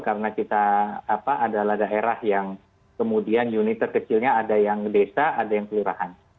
karena kita adalah daerah yang kemudian unit terkecilnya ada yang desa ada yang kelurahan